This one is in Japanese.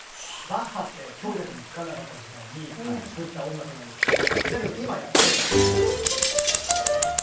バッハって強弱もつかなかった時代に作った音楽なんですけどだけど今や例えば。